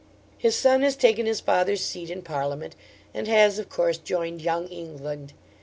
His son has taken his father's seat in Parliament, and has of course joined Young England.